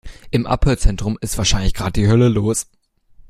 Im Abhörzentrum ist wahrscheinlich gerade die Hölle los.